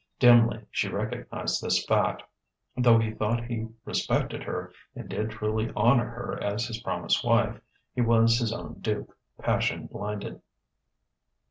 Dimly she recognized this fact; though he thought he respected her, and did truly honour her as his promised wife, he was his own dupe, passion blinded.